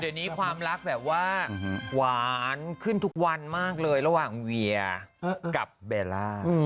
เดี๋ยวนี้ความรักแบบว่าหวานขึ้นทุกวันมากเลยระหว่างเวียกับเบลล่า